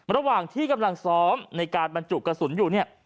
ระหว่างที่กำลังซ้อมในการบรรจุกระสุนอยู่เนี่ย